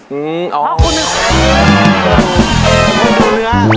มีคนดูเนื้อ